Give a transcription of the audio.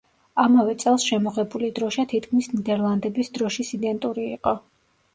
ამავე წელს შემოღებული დროშა თითქმის ნიდერლანდების დროშის იდენტური იყო.